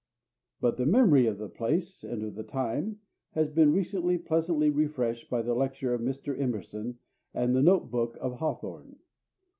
But the memory of the place and of the time has been recently pleasantly refreshed by the lecture of Mr. Emerson and the Note Book of Hawthorne.